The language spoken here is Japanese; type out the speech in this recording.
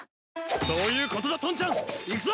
そういうことだトンちゃんいくぞ！